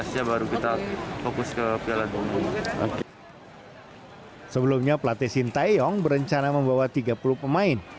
asia baru kita fokus ke piala dulu sebelumnya pelatih sinta yong berencana membawa tiga puluh pemain